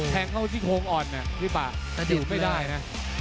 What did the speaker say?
แทงเขาซี่โครงอ่อนน่ะที่ป่ะอยู่ไม่ได้นะ